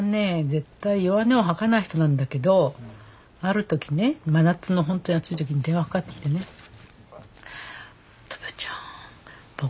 絶対弱音を吐かない人なんだけどある時ね真夏のほんとに暑い時に電話かかってきてね「乙部ちゃん僕ねつらいんだよね」